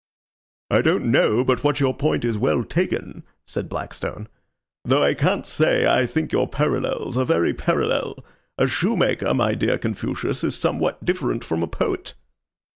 "I don't know but what your point is well taken," said Blackstone, "though I can't say I think your parallels are very parallel. A shoemaker, my dear Confucius, is somewhat different from a poet."